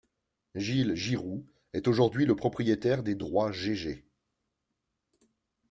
Gilles Giroud est aujourd'hui le propriétaire des droits GéGé.